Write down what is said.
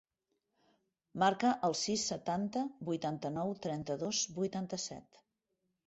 Marca el sis, setanta, vuitanta-nou, trenta-dos, vuitanta-set.